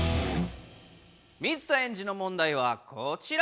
水田エンジの問題はこちら。